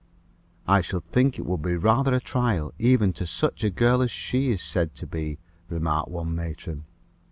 "I should think it would be rather a trial, even to such a girl as she is said to be," remarked one matron.